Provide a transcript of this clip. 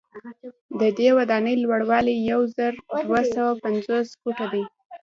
ددې ودانۍ لوړوالی یو زر دوه سوه پنځوس فوټه دی.